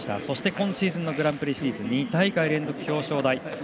そして今シーズンのグランプリシリーズ２大会連続の表彰台。